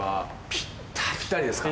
ピッタリですか。